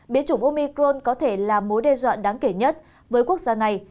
bế chủng omicron có thể là mối đe dọa đáng kể nhất với quốc gia này